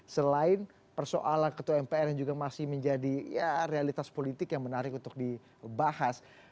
selain persoalan ketua mpr yang juga masih menjadi realitas politik yang menarik untuk dibahas